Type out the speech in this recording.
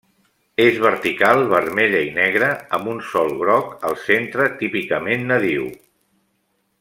És vertical vermella i negre amb un sol groc al centre típicament nadiu.